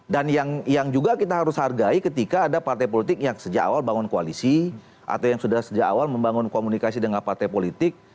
dan yang juga kita harus hargai ketika ada partai politik yang sejak awal membangun koalisi atau yang sudah sejak awal membangun komunikasi dengan partai politik